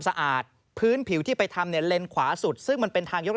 อย่างก็เป็นครั้งของทาง